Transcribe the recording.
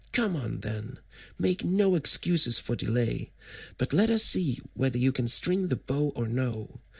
Come on, then, make no excuses for delay, but let us see whether you can string the bow or no.